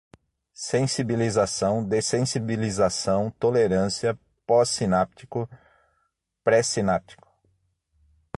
sensibilização, dessensibilização, tolerância, pós-sináptico, pré-sináptico